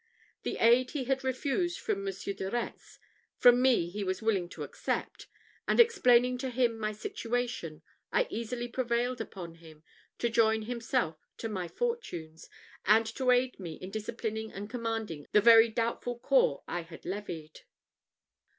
The aid he had refused from Monsieur de Retz, from me he was willing to accept; and, explaining to him my situation, I easily prevailed upon him to join himself to my fortunes, and to aid me in disciplining and commanding the very doubtful corps I had levied.